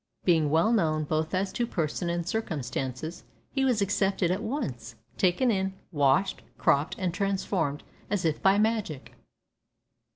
Being well known, both as to person and circumstances, he was accepted at once; taken in, washed, cropped, and transformed as if by magic.